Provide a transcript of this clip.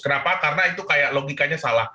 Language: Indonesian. kenapa karena itu kayak logikanya salah